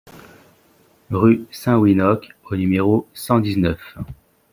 Rue Saint-Winocq au numéro cent dix-neuf